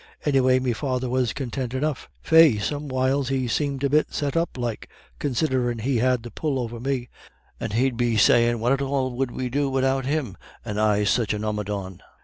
Anyway me father was contint enough; faix, some whiles he seemed a bit set up like, considherin' he had the pull over me, and he'd be sayin' what at all 'ud we do without him, and I such an omadhawn.